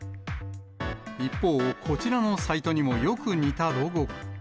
一方、こちらのサイトにも、よく似たロゴが。